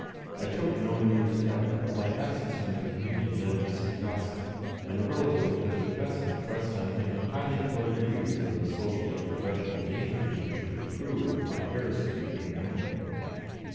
I took no new step, but my absence from the Communion led to some gossip, and a relative of Mr. Besant pressed on him highly coloured views of the social and professional dangers which would accrue if my heresy became known.